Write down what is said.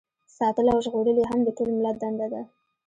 ساتل او ژغورل یې هم د ټول ملت دنده ده.